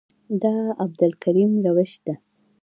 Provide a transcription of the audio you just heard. دا عبدالکریم سروش ده.